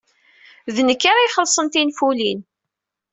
D nekk ara ixellṣen tinfulin.